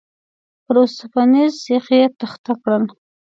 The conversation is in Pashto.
پر اوسپنيز سيخ يې تخته کړل.